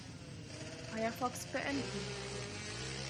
Firefox beenden.